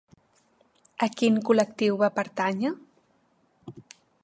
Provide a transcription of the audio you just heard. A quin col·lectiu va pertànyer?